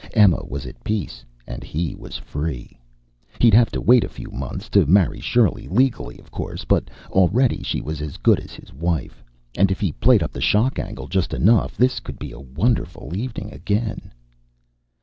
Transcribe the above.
Emma was at peace, and he was free. He'd have to wait a few months to marry Shirley legally, of course. But already, she was as good as his wife. And if he played up the shock angle just enough, this could be a wonderful evening again....